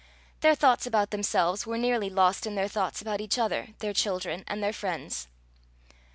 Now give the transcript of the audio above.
Their thoughts about themselves were nearly lost in their thoughts about each other, their children, and their friends.